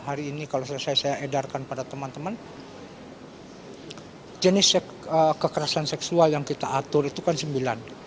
hari ini kalau saya edarkan pada teman teman jenis kekerasan seksual yang kita atur itu kan sembilan